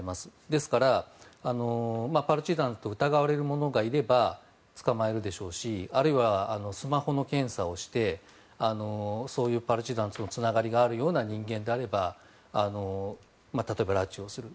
ですから、パルチザンと疑われる者がいれば捕まえるでしょうしあるいはスマホの検査をしてそういうパルチザンとのつながりがあるような人間であれば例えば、拉致をする。